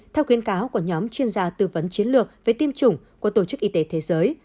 theo khuyến cáo của nhóm chuyên gia tư vấn chiến lược về tiêm chủng của tổ chức y tế thế giới